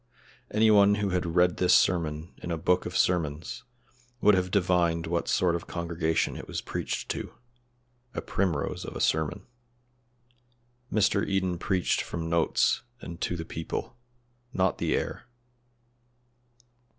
Any one who had read this sermon in a book of sermons would have divined what sort of congregation it was preached to a primrose of a sermon. Mr. Eden preached from notes and to the people not the air.